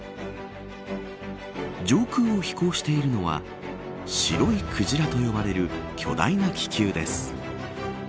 上空を飛行しているのは白いクジラと呼ばれる巨大な気球です。